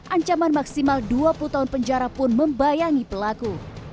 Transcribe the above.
ancaman maksimal dua puluh tahun penjara pun membayangi pelaku